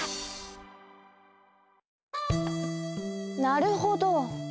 なるほど。